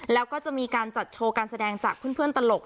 แล้วก็จะมีการจัดโชว์การแสดงจากเพื่อนตลก